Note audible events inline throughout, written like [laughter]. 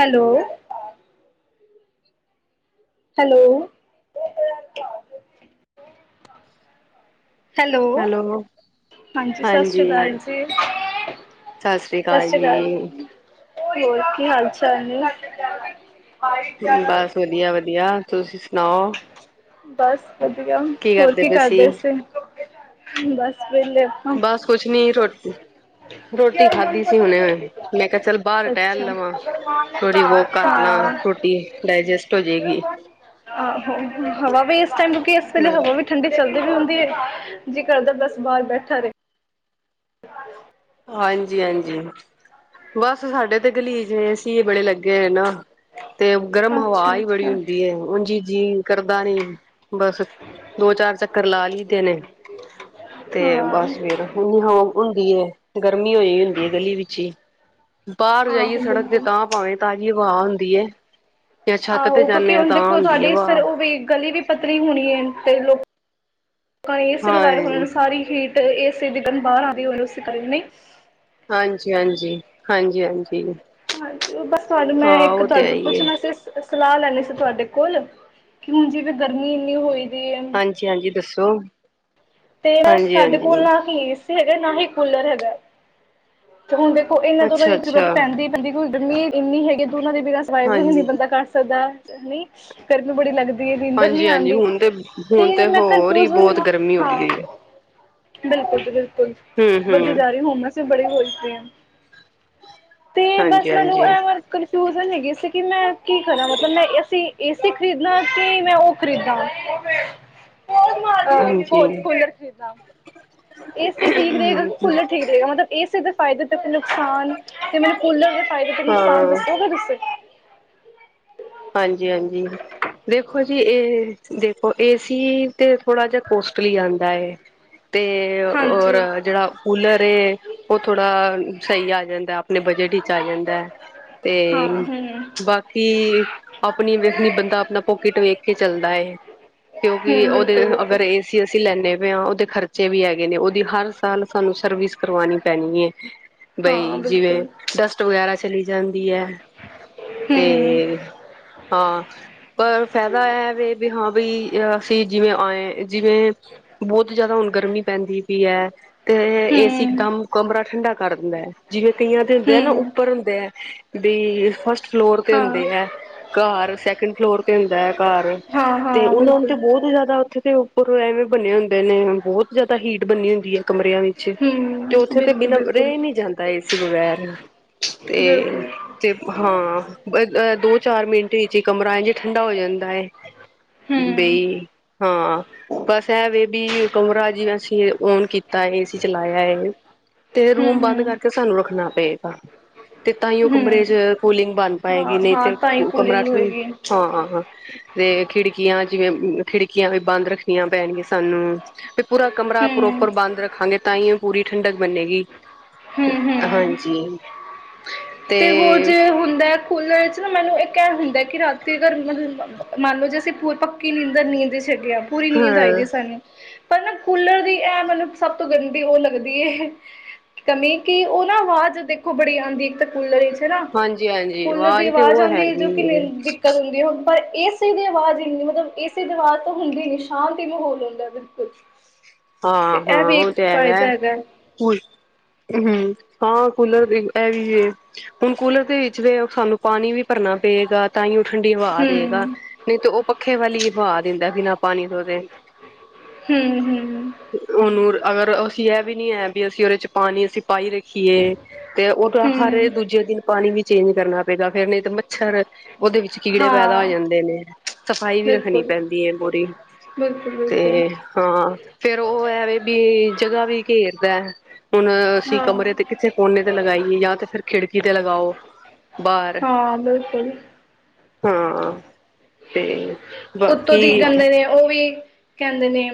Hello. Hello. Hello ਹਾਂਜੀ। ਸਤਿ ਸ੍ਰੀ ਅਕਾਲ ਜੀ। ਸਤਿ ਸ੍ਰੀ ਅਕਾਲ ਜੀ। ਹੋਰ ਕੀ ਹਾਲ ਚਾਲ ਨੇ? ਬਸ ਵਧੀਆ- ਵਧੀਆ। ਤੁਸੀਂ ਸੁਣਾਓ? ਬਸ ਵਧੀਆ। ਹੋਰ ਕੀ ਕਰਦੇ ਸੀ? ਅੇ ਬਸ ਵੇਹਲੇ। ਬਸ ਕੁਛ ਨੀ ਰੋਟੀ ਰੋਟੀ ਖਾਧੀ ਸੀ ਹੁਣੇ। ਮੈਂ ਕਿਹਾ ਚੱਲ ਬਾਹਰ ਟਹਿਲ ਅੱਛਾ। ਲਵਾਂ। ਥੋੜੀ ਬਹੁ ਕਰ ਲਾ। ਹਾਂ। ਡਾਇਜੈਸਟ ਹੋ ਜਾਏਗੀ। ਆਹੋ ਹਵਾ ਵੀ ਇਸ ਟਾਈਮ ਰੁਕੀ ਐ। ਇਸ ਵੇਲੇ ਹਾਂ। ਹਵਾ ਵੀ ਠੰਡੀ ਚੱਲਦੀ ਵੀ ਹੁੰਦੀ ਹੈ। ਜੀ ਕਰਦਾ ਬਸ ਬਾਹਾਰ ਬੈਠਾ ਰਹੇ। ਹਾਂਜੀ-ਹਾਂਜੀ। ਬਸ ਸਾਡੇ ਤੇ ਗਲੀ ਚ ਏ ਸੀ ਏ ਬੜੇ ਲੱਗੇ ਹੋਏ ਨੇ ਨਾ। ਤੇ ਗਰਮ ਹਵਾ ਹੀ ਬੜੀ ਅੱਛਾ-ਅੱਛਾ, ਹੁੰਦੀ ਐ। ਉ ਜੀ ਜੀ ਕਰਦਾ ਨੀ ਬਸ। ਦੋ ਚਾਰ ਚੱਕਰ ਲਾ ਲਈਦੇ ਨੇ ਤੇ ਹਾਂ ਬਸ ਫੇਰ। ਹੁੰਮਸ ਹੁੰਦੀ ਐ। ਗਰਮੀ ਹੋ ਹੁੰਦੀ ਹੈ ਗਲੀ ਵਿੱਚ ਹੀ ਬਾਹਰ ਜਾਈਏ ਆਹੋ ਸੜਕ ਤੇ ਬਿਲਕੁਲ। ਤਾਂ ਪਾਵੇਂ ਤਾਂਜੀ ਹਵਾ ਹੁੰਦੀ ਹੈ। ਜਾਂ ਛੱਤ ਤੇ ਆਹੋ ਕਿਉਂਕਿ ਜਾਂਦੇ ਹਾਂ ਹੁਣ ਤਾਂ ਦੇਖੋ ਹੁੰਦੀ ਤੁਹਾਡੀ ਵਾਹ ਸਰ ਉਹ ਵੀ ਗਲੀ ਵੀ ਪਤਲੀ ਹੋਣੀ ਹੈ ਤੇ ਲੋਕ ਲੋਕਾਂ ਨੇ ਇਹ ਸਿਲਵਾਏ ਹੋਣੇ ਹਾਂ ਸਾਰੀ ਹੀਟ। ਇਸੇ ਦੀ ਗਨ ਬਾਹਰ ਆਦੀ ਹੋਏਂ ਕਰੀ ਨਹੀਂ। ਹਾਂਜੀ- ਹਾਂਜੀ। ਹਾਂਜੀ-ਹਾਂਜੀ। ਹਾਂਜੀ ਉਹ ਬਸ ਤੁਹਾਨੂੰ ਮੈਂ ਇੱਕ ਤੁਹਾਡੇ ਤੋਂ ਹੀ ਏ। ਪੁੱਛਣਾ ਸੀ? ਸਲਾਹ ਲੈਂਣੀ ਸੀ ਤੁਹਾਡੇ ਕੋਲ ਕਿ ਹੁਣ ਜਿਵੇਂ ਗਰਮੀ ਇੰਨੀ ਹੋਈ ਵਈ ਐ। ਹਾਂਜੀ-ਹਾਂਜੀ ਦੱਸੋ। ਤੇ ਹਾਂਜੀ ਸਾਡੇ ਹਾਂਜੀ ਕੋਲ ਨਾ ਹੀ ਏ ਸੀ ਹੈਗਾ, ਨਾ ਹੀ ਕੂਲਰ ਹੈਗਾ। ਤੇ ਹੁਣ ਦੇਖੋ ਇਹਨਾਂ ਦੋਨਾਂ ਅੱਛਾ ਦੀ ਜ਼ਰੂਰਤ ਅੱਛਾ ਪੈਂਦੀ ਪੈਂਦੀ ਕਿ ਗਰਮੀ ਇੰਨੀ ਹੈਗੀ ਦੋਨਾਂ ਦੇ ਬਿਨਾਂ ਜ ਹਾਂਜੀ। ਬੰਦਾ ਕੱਟ ਸਕਦਾ ਨਹੀਂ ਗਰਮੀ ਬੜੀ ਲੱਗਦੀ ਨੀਂਦਰ ਨਹੀਂ ਹਾਂਜੀ ਹਾਂਜੀ ਆਉਂਦੀ ਹੁਣ ਤੇ ਹੁਣ ਤੇ ਮੈਂ ਹੋਰ ਹੀ ਕਨਫਿਊਜ ਬਹੁਤ ਹੁੰ। ਗਰਮੀ ਹੋ ਗਈ ਹੋਈ ਹੈ। ਬਿਲਕੁਲ ਜ ਬਿਲਕੁਲ। ਹੂੰ ਹੂੰ ਵੈਸੇ ਹੁੰਮਸ ਬੜੇ ਹੋਏ ਪਈ ਆ। ਤੇ ਹਾਂਜੀ ਬਸ ਮੈਨੂੰ ਹਾਂਜੀ ਕਨਫਿਊਜ਼ਨ ਹੈਗੀ ਸੀ ਕਿ ਮੈਂ ਕੀ ਕਰਾਂ ਮਤਲਬ ਮੈਂ ਇਸ ਇਸੇ ਖਰੀਦਨਾ ਕਿ ਮੈਂ ਉਹ ਖਰੀਦ ਹਾਂਜੀ। ਕੂਲਰ ਖਰੀਦਣਾ ਏਸੀ ਠੀਕ ਰਹੇਗਾ ਕੂਲਰ ਠੀਕ। ਮਤਲਬ ਏਸੀ ਦੇ ਫਾਇਦੇ ਤੇ ਨੁਕਸਾਨ ਤੇ ਮੈਨੂੰ ਕੂਲਰ ਦੇ ਫਾਇਦੇ ਤੇ ਨੁਕਸਾਨ ਹਾਂ ਦੱਸੋਗੇ ਤੁਸੀਂ। ਹਾਂਜੀ ਹਾਂਜੀ। ਦੇਖੋ ਜੀ ਏਹ ਦੇਖੋ ਏਸੀ ਤੇ ਥੋੜਾ ਜਿਹਾ ਕੋਸਟਲੀ ਆਉਂਦਾ। ਤੇ ਓਰ ਹਾਂਜੀ ਜਿਹੜਾ ਕੂਲਰ ਏ ਉਹ ਥੋੜ੍ਹਾ ਸਹੀ ਆ ਜਾਂਦਾ ਆਪਣੇ ਬਜਟ ਵਿੱਚ ਆ ਜਾਂਦਾ। ਹਾਂ ਤੇਂ ਹੂੰ ਬਾਕੀ ਆਪਣੀ ਵੇਖਣੀ ਬੰਦਾ ਆਪਣਾ ਪੋਕਿਟ ਵੇਖ ਕੇ ਚੱਲਦਾ ਹੈ ਕਿਉਂਕਿ ਹੂੰ ਉਹਦੇ ਬਿਲਕੁਲ ਬਿਲਕੁਲ। ਅਗਰ ਇਸ ਏਸੀ ਅਸੀਂ ਲੈਂਦੇ ਪਏ ਹਾਂ ਉਹਦੇ ਖਰਚੇ ਵੀ ਹੈਗੇ ਨੇ ਉਹਦੀ ਹਰ ਸਾਲ ਤਾਨੂੰ ਸਰਵਿਸ ਕਰਵਾਣੀ ਪੈਣੀ ਹੈ ਹਾਂ ਬਈ ਜਿਵੇਂ ਬਿਲਕੁਲ ਡਸਟ ਵਗੈਰਾ ਚਲੀ ਜਾਂਦੀ ਹੈ। ਹੂੰ ਤੇਂ [inaudible] ਪਰ ਫਾਇਦਾ ਇਹ ਵੇ ਵੀ ਹਾਂ ਬਈ ਅਸੀਂ ਜਿਵੇਂ ਆਏ ਜਿਵੇਂ ਬਹੁਤ ਜਿਆਦਾ ਹੁਣ ਗਰਮੀ ਪੈਂਦੀ ਪਈ ਹੈ। ਤੇ ਏਸੀ ਇਕ ਹੂੰ ਦਮ ਕਮਰਾ ਠੰਡਾ ਕਰ ਦਿੰਦਾ ਹੈ ਜਿਵੇਂ ਕਈਆਂ ਦੇ ਹੁੰਦੇ ਆ ਨਾ ਹੂੰ ਉਪਰ ਹੁੰਦੇ ਹੈ ਬੀ ਫਸਟ ਫਲੋਰ ਤੇ ਹਾਂ ਹੁੰਦੇ ਹੈ। ਘਰ ਸੈਕਿੰਡ ਫਲੋਰ ਤੇ ਹੁੰਦਾ ਹੈ ਘਰ ਹਾਂ ਤੇ ਹਾਂ ਉਹ ਤੇ ਬਿਲਕੁਲ ਬਹੁਤ ਜ਼ਿਆਦਾ ਉੱਥੇ ਤੇ ਓਰ ਐਵੇਂ ਬੰਨੇ ਹੁੰਦੇ ਨੇ ਬਹੁਤ ਜ਼ਿਆਦਾ ਹੀਟ ਬੰਨੀ ਹੁੰਦੀ ਹੈ ਕਮਰਿਆਂ ਵਿੱਚ ਤੇ ਹੂੰ, ਉੱਥੇ ਤੇ ਬਿਨਾਂ ਬਿਲਕੁਲ-ਬਿਲਕੁਲ, ਰਹਿ ਨਹੀਂ ਬਿਲਕੁਲ ਜਾਂਦਾ ਏ ਸੀ ਬਗੈਰ ਤੇ ਬਿਲਕੁਲ। ਤੇ ਹਾਂ ਦੋ ਚਾਰ ਮਿੰਟ ਵਿੱਚ ਹੀ ਕਮਰਾ ਇੰਜ ਠੰਡਾ ਹੋ ਜਾਂਦਾ ਹੈ। ਹੂੰ, ਬਈ ਹਾਂ ਬਸ ਐ ਵ ਵੀ ਕਮਰਾ ਜਿਵੇ ਅਸੀਂ ਓਨ ਕੀਤਾ ਹੈ ਏਸੀ ਚਲਾਇਆ ਹੈ। ਤੇ ਰੂਮ ਬੰਦ ਹੂੰ-ਹੂੰ, ਕਰਕੇ ਸਾਨੂੰ ਰੱਖਣਾ ਪਏਗਾ ਤੇ ਤਾਂਹੀ ਕਮਰੇ ਚ ਹੂੰ। ਹੂੰ ਪੂਲਿੰਗ ਬਣ ਪਾਏਗੀ ਹਾਂ, ਨਹੀਂ ਹਾਂ ਤੇ ਤਾਂ ਹੀ ਕਮਰਾ ਕੂਲਿੰਗ ਹੋਏਗੀ ਹਾਂ ਹਾਂ ਹਾਂ ਤੇ ਖਿੜਕੀਆਂ ਜਿਵੇਂ ਖਿੜਕੀਆਂ ਵੀ ਬੰਦ ਰੱਖਣੀਆਂ ਪੈਣਗੀਆਂ ਸਾਨੂੰ ਵੀ ਪੂਰਾ ਕਮਰਾ ਹੂੰ, ਪ੍ਰੋਪਰ ਬੰਦ ਰੱਖਾਂਗੇ ਤਾਂ ਹੀ ਉਹ ਪੂਰੀ ਠੰਡਕ ਬਣੇੇਗੀ ਹੂੰ-ਹੂੰ। ਹਾਂਜੀ। ਤੇ ਹੋਰ ਜੇ ਹੁੰਦਾ ਏ ਕੂਲਰ ਵਿੱਚ ਨਾਂ ਮੈਨੂੰ ਇਕ ਇਹ ਹੁੰਦਾ ਹੈ ਕਿ ਰਾਤੀ ਅਰ ਮਤਲਬ ਮੰਨ ਲਓ ਜੇ ਅਸੀਂ ਫੂਲ ਪੱਕੀ ਨੀਂਦਰ ਨੀਂ ਚ ਗੇਆ ਪੂਰੀ ਨੀਂਦ ਹਾਂ ਆਈਦੀ ਸਾਨੂੰ ਪਰ ਨਾ ਕੂਲਰ ਦੀ ਏ ਮਤਲਬ ਸਭ ਤੋਂ ਗੰਦੀ ਉਹ ਲੱਗਦੀ ਕਮੀ ਕਿ ਉਹ ਨਾ ਆਵਾਜ਼ ਦੇਖੋ ਬੜੀ ਆਉਂਦੀ ਇੱਕ ਤਾਂ ਕੂਲਰ ਨਾ ਹਾਂਜੀ-ਹਾਂਜੀ ਕੂਲਰ ਦੀ ਤੇ ਆਵਾਜ਼ ਉਹ ਆਉਂਦੀ ਹੈ ਹੈਗੀ ਜੋ ਏ ਕਿ ਹੁੰਦੀ ਹੋ ਪਰ ਇਸੇ ਦੀ ਆਵਾਜ਼ ਇਹਨੀ ਮਤਲਬ ਇਸੇ ਦੀ ਆਵਾਜ਼ ਤਾਂ ਹੁੰਦੀ ਨਹੀਂ ਸ਼ਾਂਤੀ ਮਾਹੌਲ ਹੁੰਦਾ ਬਿਲਕੁਲ [inaudible] ਤੇ ਹਾਂ ਹਾਂ ਇਹ ਵੀ ਉਹ ਇੱਕ ਤੇ ਹੈਗਾ ਫਾਇਦਾ ਹਮ ਹਾਂ ਕੂਲਰ ਵਖੇ ਆਏ ਹੁਣ ਕੂਲਰ ਦੇ ਵਿੱਚ ਵੀ ਸਾਨੂੰ ਪਾਣੀ ਵੀ ਭਰਨਾ ਪਏਗਾ ਤਾਂ ਹੀ ਉਹ ਠੰਡੀ ਹਵਾ ਦੇਵੇਗਾ ਹੂੰ, ਨਹੀਂ ਤੇ ਉਹ ਪੱਖੇ ਵੀ ਵਹਾ ਦਿੰਦਾ ਬਿਨਾਂ ਪਾਣੀ ਤੋਂ ਦੇ ਹਮ ਹਮ ਉਹਨੂੰ ਅਗਰ ਅਸੀਂ ਇਹ ਵੀ ਨੀ ਹੈ ਵੀ ਅਸੀਂ ਉਹਦੇ ਚ ਪਾਣੀ ਅਸੀਂ ਪਾਈ ਰੱਖੀਏ ਤੇ ਉਹ ਤਾਂ ਹਰ ਹੂੰ ਦੂਜੇ ਦਿਨ ਪਾਣੀ ਵੀ ਚੇਂਜ ਕਰਨਾ ਪਏਗਾ ਫੇਰ ਨਹੀਂ ਤੇ ਮੱਛਰ ਉਹਦੇ ਵਿੱਚ ਕੀੜੇ ਪੈਦਾ ਹੋ ਹਾਂ ਜਾਂਦੇ ਨੇ ਸਫ਼ਾਈ ਵੀ ਰੱਖਣੀ ਬਿਲਕੁਲ। ਪੈਂਦੀ ਹੈ ਪੂਰੀ ਬਿਲਕੁਲ, ਬਿਲਕੁਲ ਤੇ ਹਾਂ ਫੇਰ ਉਹ ਐਵੇ ਵੀ ਜਗ੍ਹਾ ਵੀ ਘੇਰਦਾ ਹੁਣ ਅਸੀਂ ਕਮਰੇ ਹਾਂ, ਤੇ ਕਿਸੇ ਕੋਨੇ ਤੇ ਲਗਾਈਏ ਜਾਂ ਤੇ ਫਿਰ ਖਿੜਕੀ ਤੇ ਲਗਾਓ ਬਾਹਰ ਹਾਂ ਬਿਲਕੁਲ ਹਾਂ ਤੇ ਉੱਤੋਂ ਬਾਕੀ ਦੀ ਕਹਿੰਦੇ ਨੇ ਉਹ ਵੀ ਕਹਿੰਦੇ ਨੇ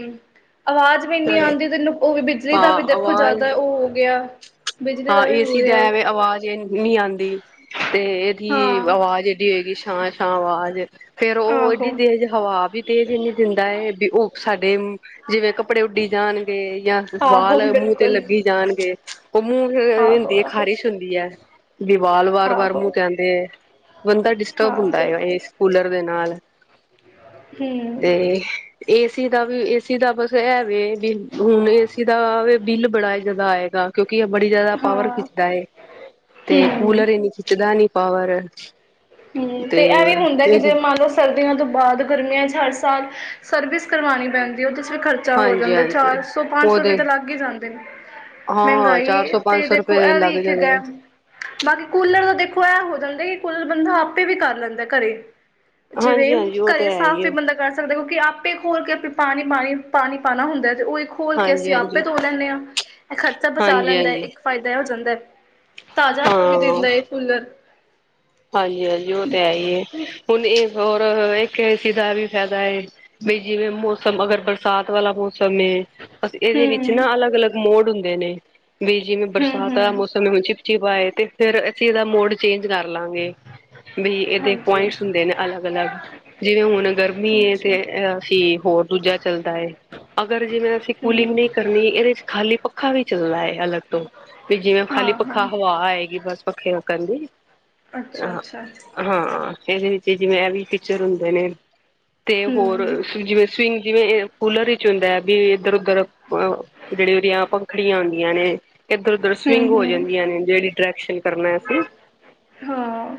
ਆਵਾਜ਼ ਇਨੀ ਆਉਂਦੀ ਹਾਂ ਤੈਨੂੰ ਉਹ ਵੀ ਬਿਜਲੀ ਦਾ ਵੀ ਦੇਖੋ ਆਵਾਜ਼ ਜ਼ਿਆਦਾ ਉਹ ਹੋ ਗਿਆ ਬਿਜਲੀ ਹਾਂ ਵੀ ਹੋ ਏਸੀ ਦਾ ਰਿਹਾ ਏ ਵੇ ਆਵਾਜ਼ ਇਨੀ ਨਹੀਂ ਆਉਂਦੀ ਤੇ ਇਹਦੀ ਹਾਂ ਆਵਾਜ਼ ਐਡੀ ਹੋਏਗੀ ਸ਼ਾਂ ਸ਼ਾਂ ਅਵਾਜ਼ ਫੇਰ ਉਹ ਆਹੋ, ਏਡੀ ਤੇਜ਼ ਹਵਾ ਵੀ ਤੇਜ਼ ਇਨੀ ਦਿੰਦਾ ਏ ਵੀ ਉਹ ਸਾਡੇ ਜਿਵੇਂ ਕੱਪੜੇ ਉੱਡੀ ਜਾਣਗੇ ਜਾਂ ਆਹੋ ਵਾਲ ਮੂੰਹ ਤੇ ਬਿਲਕੁਲ। ਲੱਗੀ ਜਾਣਗੇ ਉਹ ਮੂੰਹ ਫੇਰ ਆਹੋ ਹੁੰਦੀ ਆਹੋ ਖ਼ਾਰਿਸ਼ ਹੁੰਦੀ ਹੈ ਵੀ ਵਾਰ ਵਾਰ ਬਾਲ ਆਹੋ ਮੂੰਹ ਤੇ ਦੇ ਬੰਦਾ ਹਾਂ ਡਿਸਟਰਬ ਹੁੰਦਾ ਏ ਬਿਲਕੁਲ ਇਸ ਕੂਲਰ ਦੇ ਨਾਲ ਹਮ ਤੇ ਏਸੀ ਦਾ ਵੀ ਏਸੀ ਦਾ ਬਸ ਏ ਵੇ ਬ ਹੁਣ ਏਸੀ ਦਾ ਬਿੱਲ ਬੜਾ ਜਿਆਦਾ ਆਏਗਾ। ਕਿਉਂਕਿ ਇਹ ਬੜੀ ਜਿਆਦਾ ਪਾਵਰ ਹਾਂ ਖਿੱਚਦਾ ਏ। ਤੇ ਹਮ ਕੂਲਰ ਇਨੀ ਖਿੱਚਦਾ ਨੀ ਪਾਵਰ। ਹੂੰ ਤੇ ਐਵੇ ਹੁੰਦਾ ਕਿ ਜੇ ਮੰਨ ਲਓ ਸਰਦੀਆਂ ਤੋਂ ਬਾਅਦ ਗਰਮੀਆਂ 'ਚ ਹਰ ਸਾਲ ਸਰਵਿਸ ਕਰਵਾਉਣੀ ਪੈਂਦੀ ਹੈ ਉਹਦੇ ਵਿੱਚ ਖਰਚ ਖਰਚਾ ਹੋ ਜਾਂਦਾ ਹਾਂਜੀ-ਹਾਂਜੀ ਚਾਰ ਸੌ ਪੰਜ ਸੌ ਰੁਪਏ ਉਹਦੇ ਤਾਂ ਲੱਗ ਹੀ ਜਾਂਦੇ ਨੇ। ਹਾਂ ਚਾਰ ਮਹਿੰਗਾਈ ਸੌ ਪੰਜ ਤੇ ਸੌ ਦੇਖੋ ਰੁਪਏ ਇਹ ਵੀ ਲੱਗ ਇੱਕ ਜਾਣੇ ਗ ਬਾਕੀ ਕੂਲਰ ਦਾ ਦੇਖੋ ਇਹ ਹੋ ਜਾਂਦਾ ਕਿ ਕੂਲਰ ਬੰਦਾ ਆਪੇ ਵੀ ਕਰ ਲੈਂਦਾ ਘਰੇ। ਜਿਵੇਂ ਹਾਂਜੀ-ਹਾਂਜੀ ਉਹ ਤੇ ਘਰੇ ਹੈ ਸਾਫ਼ ਹੀ ਵੀ ਏ ਬੰਦਾ ਕਰ ਦੇਖੋ ਕਿਉਂਕਿ ਆਪੇ ਖੋਲ ਕੇ ਪਾਣੀ ਪਾਣੀ ਪਾਣਾ ਹੁੰਦਾ ਤੇ ਉਹ ਇੱਕ ਖੋਲ ਕੇ ਅਸੀਂ ਆਪੇ ਹਾਂਜੀ-ਹਾਂਜੀ, ਧੋ ਲੈਂਦੇ ਹਾਂ ਇਹ ਖਰਚਾ ਬਚਾ ਲੈਂਦਾ ਹੈ ਹਾਂਜੀ-ਹਾਂਜੀ ਇੱਕ ਫਾਇਦਾ ਏਹ ਹੋ ਜਾਂਦਾ ਹੈ। ਤਾਜ਼ਾ ਹਬ ਵੀ ਦਿੰਦਾ ਏ ਕੂਲਰ। ਹਾਂਜੀ ਹਾਂਜੀ ਉਹ ਤੇ ਹੈ ਹੀ ਹੈ ਹੁਣ ਇਹ ਹੋਰ ਇੱਕ ਏਸੀ ਦਾ ਵੀ ਫੈਦਾ ਏ ਬਈ ਜਿਵੇਂ ਮੌਸਮ ਅਗਰ ਬਰਸਾਤ ਵਾਲਾ ਮੌਸਮ ਏ ਅਸੀਂ ਇਹਦੇ ਵਿੱਚ ਹੂੰ ਨਾ ਅਲੱਗ ਅਲੱਗ ਮੋਡ ਹੁੰਦੇ ਨੇ ਵੀ ਜਿਵੇਂ ਹੂੰ ਬਰਸਾਤ ਦਾ ਹੂੰ ਮੌਸਮ ਚਿਪਚਿਪ ਆਏ ਤੇ ਫੇਰ ਅਸੀਂ ਇਹਦਾ ਮੋਡ ਚੇਂਜ ਕਰ ਲਾਂਗੇ। ਵੀ ਇਹਦੇ ਹਾਂਜੀ ਪੁਆਇੰਟਸ ਹੁੰਦੇ ਨੇ ਅਲੱਗ-ਅਲੱਗ ਜਿਵੇਂ ਹੁਣ ਗਰਮੀ ਏ ਤੇ ਅੱਛਾ ਅਸੀਂ ਹੋਰ ਦੂਜਾ ਚੱਲਦਾ ਏ ਅਗਰ ਜਿਵੇਂ ਅਸੀਂ ਕੂਲਿੰਗ ਹੂੰ ਨਹੀਂ ਕਰਨੀ ਇਹਦੇ ਚ ਖਾਲੀ ਪੱਖਾ ਵੀ ਚੱਲਦਾ ਏ ਅਲੱਗ ਤੋਂ ਵੀ ਜਿਵੇਂ ਹਾਂ ਖਾਲੀ ਹਾਂ ਪੱਖਾ ਹਵਾ ਆਏਗੀ ਬਸ ਪੱਖੇ ਨਾਲ ਗਰਮੀ ਅੱਛਾ ਅੱਛਾ। ਹਾਂ ਇਹਦੇ ਵਿੱਚ ਜਿਵੇਂ ਇਹ ਵੀ ਫੀਚਰ ਹੁੰਦੇ ਨੇ ਤੇ ਹੂੰ ਹੋਰ ਜਿਵੇਂ ਸਵਿੰਗ ਜਿਵੇਂ ਕੂਲਰ ਵਿਚ ਹੁੰਦਾ ਆ ਵੀ ਇੱਧਰ ਉੱਧਰ ਜਿਹੜੀ ਉਹਦੀਆਂ ਪੰਖੜੀਆਂ ਹੁੰਦੀਆਂ ਨੇ ਇੱਧਰ ਉਧਰ ਹੂੰ ਸਵਿੰਗ ਹੋ ਹੂੰ ਜਾਂਦੀਆਂ ਨੇ ਜਿਹੜੀ ਡਾਇਰੈਕਸ਼ਨ ਕਰਨਾ ਅਸੀਂ ਹਾਂ।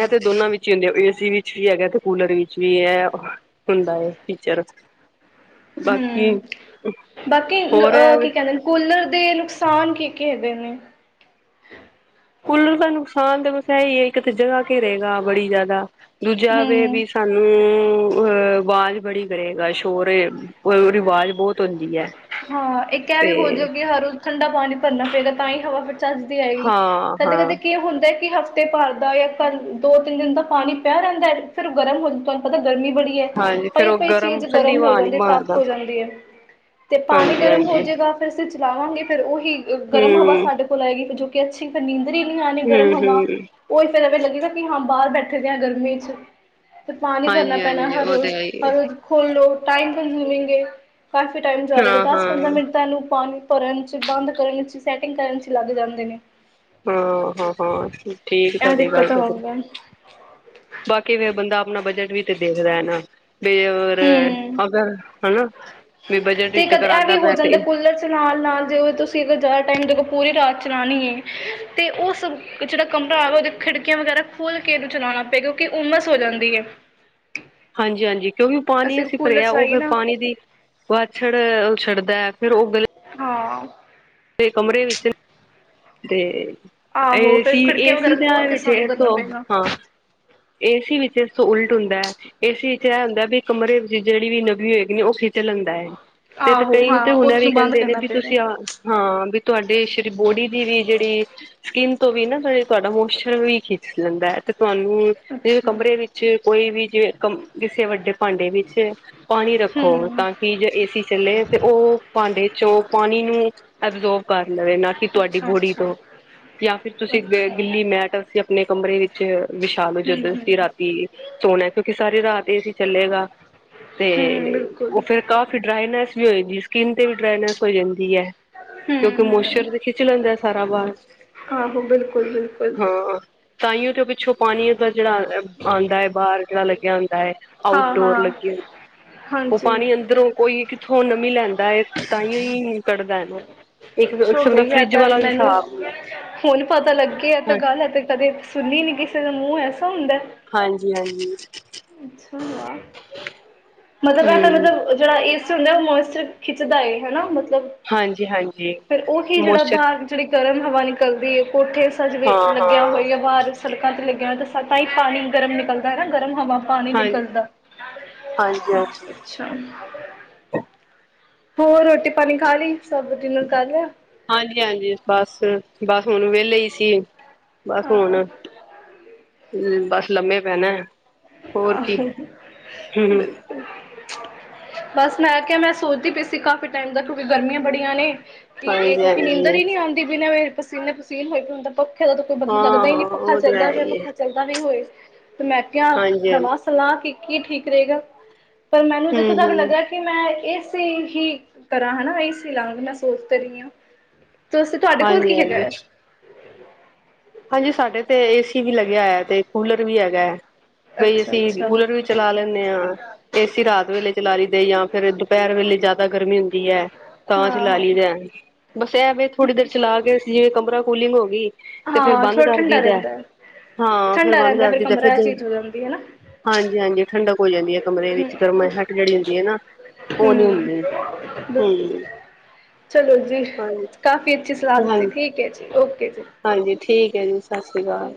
ਇਹ ਤੇ ਦੋਨਾਂ ਵਿੱਚ ਹੀ ਹੁੰਦੇ ਏਸੀ ਵਿੱਚ ਵੀ ਹੈਗਾ ਤੇ ਕੂਲਰ ਵਿੱਚ ਵੀ ਹੈ। ਹੁੰਦਾ ਏ ਫੀਚਰ ਬਾਕੀ ਹੂੰ ਬਾਕੀ ਹੋਰ ਹੈ ਅ ਕੀ ਕਹਿੰਦੇ ਨੇ ਕੂਲਰ ਦੇ ਨੁਕਸਾਨ ਕੀ ਕੀ ਹੈਗੇ ਨੇ ਕੂਲਰ ਦਾ ਨੁਕਸਾਨ ਤਾਂ ਬਸ ਹੈ ਇਹੀ ਹੈ ਇੱਕ ਤਾਂ ਜਗ੍ਹਾ ਘੇਰੇਗਾ ਬੜੀ ਜ਼ਿਆਦਾ ਦੂਜਾ ਵੇ ਹੂੰ ਵੀ ਸਾਨੂੰ ਅ, ਆਵਾਜ਼ ਬੜੀ ਕਰੇਗਾ, ਸ਼ੋਰ ਏ, ਆਵਾਜ਼ ਬਹੁਤ ਹੁੰਦੀ ਹੈ। ਹਾਂ, ਇੱਕ ਇਹ ਵੀ ਹੋ ਤੇ ਜਾਓ ਕਿ ਹਰ ਰੋਜ਼ ਠੰਡਾ ਪਾਣੀ ਭਰਨਾ ਪਏਗਾ ਤਾਂ ਹੀ ਹਵਾ ਫਿਰ ਹੱਸਦੀ ਆਈ। ਹਾਂ ਕਦੇ ਹਾਂ ਕਦੇ ਕੀ ਹੁੰਦਾ ਕਿ ਹਫ ਤੇ ਭਰਦਾ ਜਾਂ ਘਰ ਦੋ- ਤਿੰਨ ਦਿਨ ਦਾ ਪਾਣੀ ਪੈ ਰਹਿੰਦਾ, ਫਿਰ ਗਰਮ ਹੋ ਜਾਂ ਤੁਹਾਨੂੰ ਪਤਾ ਗਰਮੀ ਬੜੀ। ਹਾਂਜੀ ਫੇਰ ਪਈ ਉਹ -ਪਈ ਚੀਜ਼ ਠੰਡੀ ਗਰਮ ਹੋ ਹਵਾ ਨੀ ਜਾਂਦੀ, ਤੱਪ ਮਾਰਦਾ ਹੋ ਜਾਂਦੀ ਹੈ। ਤੇ ਪਾਣੀ ਹਾਂਜੀ ਗਰਮ ਹੋ ਹਾਂਜੀ ਜਾਵੇਗਾ ਫਿਰ ਅਸੀਂ ਚਲਾਵਾਂਗੇ ਫਿਰ ਉਹੀ ਗਰਮ ਹਵਾ ਹਮ ਸਾਡੇ ਕੋਲ ਆਏਗੀ। ਫਿਰ ਜੋ ਅੱਛੀ ਫੇਰ ਨੀਂਦਰੇ ਹੀ ਨਹੀਂ ਆਣੀ ਹਮ ਗਰਮ ਹਵਾ। ਹਮ ਉਹਹੀ ਫਿਰਵੇਂ ਲੱਗੇਗਾ ਕਿ ਹਾਂ ਬਾਹਰ ਬੈਠੇ ਦੇ ਹਾ ਗਰਮੀ ਚ' ਤੇ ਪਾਣੀ ਭਰਨਾ ਹਾਂਜੀ ਪੈਣਾ ਹਾਂਜੀ ਹਰ ਉਹ ਤੇ ਰੋਜ਼, ਹੈ ਹੀ ਹੈ। ਹਰ ਰੋਜ਼। ਖੋਲੋ, ਟਾਈਮ ਕੰਜਊਮਿੰਗ ਹ ਕਾਫੀ ਟਾਈਮ ਜਾ ਰਿਹਾ ਹਾਂ ਦਸ -ਪੰਦਰਾਂ ਹਾਂ ਮਿਨਟ ਤਾਂ ਇਹਨੂੰ ਪਾਣੀ ਭਰਨ ਚ' ਬੰਦ ਕਰਨ ਚ' ਸੈਟਿੰਗ ਕਰਨ ਚ' ਲੱਗ ਜਾਂਦੇ ਨੇ। ਹਾਂ -ਹਾਂ -ਹਾਂ ਠੀਕ ਇਹ ਤੁਹਾਡੀ ਗੱਲ ਦਿੱਕਤ ਆ ਤੇ ਫਿਰ ਬਾਕੀ ਫਿਰ ਬੰਦਾ ਆਪਣਾ ਬਜਟ ਵੀ ਤੇ ਦੇਖਦਾ ਹੈ ਨਾ। ਬ ਹੋਰ, ਹੂੰ ਅਗਰ ਹਨਾ। ਵੀ ਬਜਟ ਵਿੱਚ ਅਗਰ ਆਉਂਦਾ ਪਿਆ ਤੇ ਨਾਲ- ਨਾਲ ਜੇੋਂ ਤੁਸੀਂ ਅਰ ਜ਼ਿਆਦਾ ਟਾਈਮ ਦੇਖੋ ਪੂਰੀ ਰਾਤ ਚਲਾਉਣੀ ਹੈ। ਤੇ ਉਹ ਜਿਹੜਾ ਕਮਰਾ ਆ ਉਹਦੀ ਖਿੜਕੀਆਂ ਵਗੈਰਾ ਖੋਲ ਕੇ ਇਹਨੂੰ ਚਲਾਉਣਾ ਪਏ ਕਿਉਂਕਿ ਉਮਸ ਹੋ ਜਾਂਦੀ ਹੈ। ਹਾਂਜੀ- ਹਾਂਜੀ। ਕਿਉਂਕਿ ਉਹ ਪਾਣੀ ਅਸੀਂ ਕੂਲਰ ਭਰਿਆ, ਉਹ ਚਲਾਈਏ ਫਿਰ ਨਾ ਪਾਣੀ ਦੀ ਵਾਛੜ, ਉਛੜਦਾ ਹੈ ਫ਼ਿਰ ਉਹ ਗਲੀ ਹਾਂ। ਤੇ ਕਮਰੇ ਵਿੱਚ ਤੇ ਆਹੋ ਏਸੀ ਫਿਰ ਖਿੜਕੀਆਂ -ਏਸੀ ਵਗੈਰਾ ਦਾ ਖੋਲ੍ਹ ਕੇ ਸਾਨੂੰ ਕਰਨਾ ਤੋ, ਪਏਗਾ ਹਾਂ। ਏਸੀ ਵਿੱਚ ਇਸ ਤੈ ਉਲਟ ਹੁੰਦਾ ਹੈ। ਏਸੀ ਵਿੱਚ ਇਹ ਹੁੰਦਾ ਹੈ ਥਈ ਕਮਰੇ ਵਿੱਚ ਜਿਹੜੀ ਵੀ ਨਮੀ ਹੋਏਗੀ ਉਹ ਚੱਲਣਦਾ ਹੈ। ਤੇ ਆਹੋ ਕਈ ਹਾਂ ਤੇ ਹੁਣਰ ਵੀ ਉਸਨੂੰ ਬੰਦ ਕਹਿੰਦੇ ਨੇ ਕਰਨਾ ਵੀ ਪਏਗਾ ਤੁਸੀਂ ਆ ਹਾਂ। ਵੀ ਤੁਹਾਡੇ ਸ਼ ਬੋਡੀ ਦੀ ਵੀ ਜਿਹੜੀ, ਸਕਿੰਨ ਤੋਂ ਵੀ ਨਾ ਜ ਤੁਹਾਡਾ ਮੋਸਚਰ ਵੀ ਖਿੱਚ ਲੈਂਦਾ ਹੈ। ਤੇ ਤੁਹਾਨੂੰ ਜਿਵੇਂ ਅੱਛਾ ਕਮਰੇ ਵਿੱਚ ਕੋਈ ਵੀ ਜਿਵੇਂ ਕ ਕਿਸੇ ਵੱਡੇ ਭਾਂਡੇ ਵਿੱਚ ਪਾਣੀ ਰੱਖੋ। ਹਮ ਤਾਂ ਕਿ ਜਾਂ ਏਸੀ ਚੱਲੇ ਤੇ ਉਹ ਭਾਂਡੇ ਚੋਂ ਪਾਣੀ ਨੂੰ ਐਬਜੋਰਬ ਕਰ ਲਵੇ ਨਾ ਕਿ ਤੁਹਾਡੀ ਅੱਛਾ ਬੋਡੀ ਅੱਛਾ ਤੋਂ। ਜਾਂ ਫਿਰ ਤੁਸੀਂ ਅੱਛਾ ਗਿੱਲੀ ਮੈਟ ਅਸੀਂ ਆਪਣੇ ਕਮਰੇ ਵਿੱਚ ਵਿਛਾਲੋ ਹਮ ਜਦੋਂ ਅਸੀਂ ਹਮ ਰਾਤੀ ਸੋਣਾ। ਕਿਉਂਕਿ ਸਾਰੀ ਰਾਤ ਇਹ ਸੀ ਚੱਲੇਗਾ। ਤੇ ਹਮ ਉਹ ਬਿਲਕੁਲ ਫੇਰ ਕਾਫੀ ਡਰਾਈਨੈਸ ਵੀ ਹੋਈ ਦੀ ਸਕਿੰਨ ਤੇ ਵੀ ਡਰਾਈਨੈਸ ਹੋ ਜਾਂਦੀ ਹੈ। ਕਿਉਂਕਿ ਹਮ ਹਮ ਮੋਸਚਰ ਖਿੱਚ ਲੈਂਦਾ ਸਾਰਾ ਬਾਹਰ। ਆਹੋ ਬਿਲਕੁਲ- ਬਿਲਕੁਲ। ਤਾਈਓ ਤੇ ਪਿੱਛੋਂ ਪਾਣੀ ਦਾ ਜਿਹੜਾ, ਆਉਂਦਾ ਹੈ ਬਾਹਰ ਜਿਹੜਾ ਲੱਗਿਆ ਆਦਾ ਹੈ। ਹਾਂ ਆਊਟਡੋਰ ਹਾਂ ਲੱਗੀ ਰੁਂਦੀ। ਉਹ ਹਾਂਜੀ ਪਾਣੀ ਅੰਦਰੋਂ ਕੋਈ ਕਿੱਥੋਂ ਨਮੀ ਲੈਂਦਾ ਹੈ। ਤਾਂ ਹੀ ਕੱਢਦਾ ਹੈ ਨਾ। ਇੱਕ ਕੁੱਛ ਕਿਸਮ ਦਾ ਗਈ ਹੈ ਫਰਿੱਜ ਤਾਂ ਵਾਲਾ ਵੀ ਮੈਨੂੰ, ਹਿਸਾਬ ਹੁੰਦਾ ਹੁਣ ਪਤਾ ਲੱਗੇ ਆ ਤਾਂ ਗੱਲ। ਕਦੇ ਸੁਣਨੀ ਨੀ ਕਿਸੇ ਦੇ ਮੂੰਹ ਐਸਾ ਹੁੰਦਾ। ਹਾਂਜੀ -ਹਾਂਜੀ। ਸੁਣ ਵਾ। ਮਤਲਬ ਐ ਹਮ ਮਤਲਬ। ਜਿਹੜਾ ਏਸਰ ਹੁੰਦਾ ਉਹ ਮੋਇਸਚਰ ਖਿੱਚਦਾ ਏ, ਹਨਾ। ਮਤਲਬ ਹਾਂਜੀ-ਹਾਂਜੀ ਫੇਰ ਉਹੀ ਜਿਹੜਾ ਮੋਸਚਰ ਬਾਦ ਜਿਹੜੀ ਗਰਮ ਹਵਾ ਨਿਕਲਦੀ ਹੈ, ਕੋਠੇ ਸਜਵੇ ਹਾਂ-ਹਾਂ ਲੱਗਿਆ ਹੋਈ ਹੋਆ ਬਾਹਰ। ਸੜਕਾਂ ਤੇ ਲੱਗਿਆ ਹੁੰਦਾ ਤਾਂ ਹੀ ਪਾਣੀ ਗਰਮ ਨਿਕਲਦਾ ਹੈ ਨਾ ਗਰਮ ਹਵਾ ਪਾਣੀ ਹਾਂ ਨਿਕਲਦਾ ਹਾਂਜੀ-ਹਾਂਜੀ ਹੋਰ ਰੋਟੀ ਪਾਣੀ ਖਾ ਲਈ, ਸਭ ਡਿਨਰ ਕਰ ਲਿਆ? ਹਾਂਜੀ -ਹਾਂਜੀ। ਬਸ -ਬਸ ਹੁਣ ਵਿਹਲੇ ਹੀ ਸੀ।। ਬਸ ਹਾਂ ਹੁਣ ਬਸ ਲੰਮੇ ਪੈਣੇ। ਆਹੋ ਬਿਲਕੁਲ [inaudible] ਬਸ ਮੈਂ ਕਿਹਾ ਮੈਂ ਸੋਚਦੀ ਪਈ ਸੀ, ਕਾਫ਼ੀ ਟਾਈਮ ਦਾ ਕਿਉਂਕਿ ਗਰਮੀਆਂ ਬੜੀਆਂ ਨੇ ਤੇ ਇਹ ਕਿਉਕਿ ਹਾਂਜੀ-ਹਾਂਜੀ ਨੀਂਦਰ ਹੀ ਨੀ ਆਉਂਦੀ ਬਿਨਾਂ ਪਸੀਨੇ ਪਸੀਨ ਹੋਈ ਹੁੰਦਾ ਪੱਖੇ ਦਾ ਕੋਈ ਪਤਾ ਲੱਗਦਾ ਹੀ ਨਹੀਂ। ਹਾਂ-ਹਾਂ ਪੱਖਾ ਉਹ ਤੇ ਚੱਲਦਾ ਹੈ ਹੋ, ਹੀ ਹੈ ਪੱਖਾ ਚੱਲਦਾ ਵੀ ਹੋਏ ਤੇ ਮੈਂ ਕਿਹਾਿਆ ਹਾਂਜੀ-ਹਾਂਜੀ ਸਲਾਹ ਕੀਤੀ ਕੀ ਠੀਕ ਰਹੇਗਾ, ਪਰ ਮੈਨੂੰ ਜਿੱਥੋਂ ਤੱਕ ਹੂੰ-ਹੂੰ ਨਜਰ ਕਿ ਮੈਂ ਏ ਸੀ ਹੀ ਕਰਾਂ ਹਨਾ। ਏਸੀ ਲਵਾਵਾ ਮੈਂ ਸੋਚਦੇ ਰਹੀ ਹਾਂ। ਦੱਸੋ ਤੁਹਾਡੇ ਕੋਲ ਕੀ ਹੈਗਾ? ਹਾਂਜੀ-ਹਾਂਜੀ ਹਾਂਜੀ। ਸਾਡੇ ਤੇ ਏ ਸੀ ਵੀ ਲੱਗਿਆ ਹੋਇਆ ਏ ਤੇ ਕੂਲਰ ਵੀ ਹੈਗਾ। ਬਈ ਅੱਛਾ ਅਸੀਂ ਅੱਛਾ ਕੂਲਰ ਵੀ ਚਲਾ ਲੈਂਨੇ ਆਂ ਏਸੀ ਰਾਤ ਵੇਲੇ ਚਲਾ ਲਈ ਦਾ ਜਾਂ ਫਿਰ ਦੁਪਹਿਰ ਵੇਲੇ ਜ਼ਿਆਦਾ ਗਰਮੀ ਹੁੰਦੀ ਐ ਤਾਂ ਹਾਂ ਚਲਾ ਹਾਂ ਲਈਦਾ ਬਸ ਐਵੇ ਥੋੜੀ ਦੇਰ ਚਲਾ ਕੇ ਜਿਵੇਂ ਕਮਰਾ ਕੂਲਿੰਗ ਹੋ ਗਈ ਤੇ ਫੇਿਰ ਹਾਂ ਬੰਦ ਥੋੜਾ ਕਰਦੀ ਠੰਡਾ ਦਾ ਰਹਿੰਦਾ ਹਾਂ। ਫੇਰ ਠੰਡਾ ਬੰਦ ਰਹਿੰਦਾ ਕਰਦੀ ਦਾ ਕਮਰਾ ਇਹ ਫਿਰ ਚੀਜ਼ ਹੋ ਜਾਂਦੀ ਹੈ ਨਾ ਹਾਂਜੀ- ਹਾਂਜੀ ਠੰਡਕ ਹੋ ਜਾਂਦੀ ਹੈ ਕਮਰੇ ਵਿੱਚ। ਗਰਮਾਹਟ ਜਿਹੜੀ ਹੁੰਦੀ ਏ ਨਾ ਉਹ ਨੀ ਹਮ ਹੁੰਦੀ ਹਮ ਦ [inaudible] ਚਲੋ ਜੀ, ਹਾਂਜੀ ਕਾਫ਼ੀ ਅੱਛੀ ਸਲਾਹ ਦਿੱਤੀ, ਹਾਂਜੀ ਠੀਕ ਹੈ ਜੀ ਓਕੇ ਜੀ। ਹਾਂਜੀ, ਠੀਕ ਹੈ ਜੀ। ਸਸਰੀ ਅਕਾਲ।